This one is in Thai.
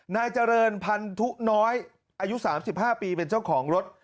นายเจริญพันธุน้อยอายุ๓๕ปีเป็นเจ้าของรถ